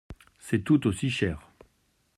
C’est tout aussi cher.